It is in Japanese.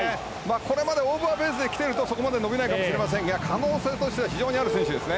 これまでオーバーペースできていると伸びないかもしれませんが可能性としては非常にある選手ですね。